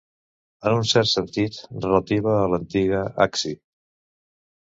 En un cert sentit, relativa a l'antiga Acci.